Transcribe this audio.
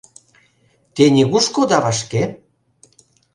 Те нигушко ода вашке?